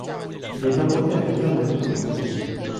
Il est implanté à l'écart des routes importantes.